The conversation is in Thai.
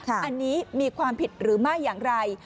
อันนี้มีความผิดหรือไม่อย่างไร